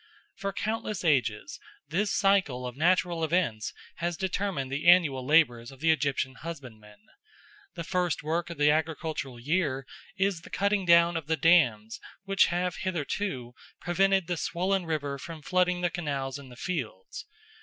For countless ages this cycle of natural events has determined the annual labours of the Egyptian husbandman. The first work of the agricultural year is the cutting of the dams which have hitherto prevented the swollen river from flooding the canals and the fields.